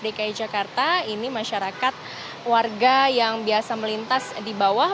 dki jakarta ini masyarakat warga yang biasa melintas di bawah